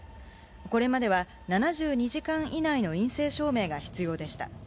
これまでは７２時間以内の陰性証明が必要でした。